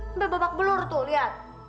sampai babak belur tuh lihat